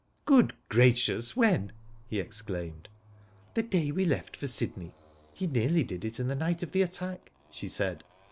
*' Good gracious, when ?" he exclaimed. "The day we left for Sydney. He nearly did it the night of the attack," she said.